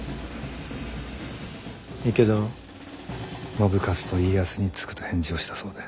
信雄と家康につくと返事をしたそうで。